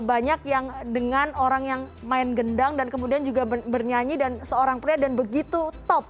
banyak yang dengan orang yang main gendang dan kemudian juga bernyanyi dan seorang pria dan begitu top